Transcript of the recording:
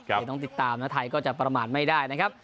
เดี๋ยวต้องติดตามนะไทยก็จะประมาณไม่ได้นะครับ